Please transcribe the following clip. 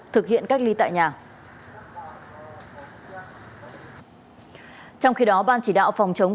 thì đến công an thị xã nghi sơn